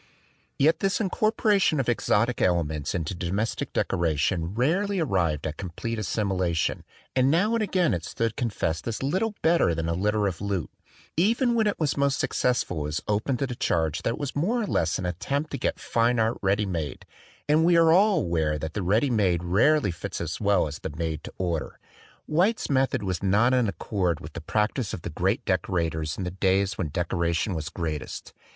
Yet this incorporation of exotic elements into domestic decoration rarely arrived at complete assimilation; and now and again it stood con fessed as little better than a litter of loot. Even when it was most successful it was open to the charge that it was more or less an attempt to get fine art ready made; and we are all aware that the ready made rarely fits as well as the made to order. White's method was not in accord with the practise of the great decorators in the days when decoration was greatest.